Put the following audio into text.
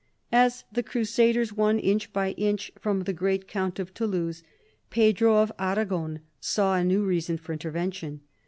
As the crusaders won inch by inch from the great count of Toulouse, Pedro of Aragon saw a new reason for intervention.